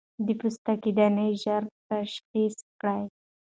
د پوستکي دانې ژر تشخيص کړئ.